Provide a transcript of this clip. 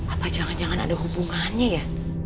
apa jangan jangan ada hubungannya ya